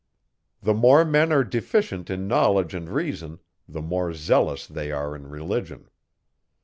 The more men are deficient in knowledge and reason, the more zealous they are in religion.